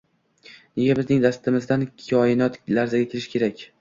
–Nega bizning dastimizdan Koinot larzaga kelishi kerak?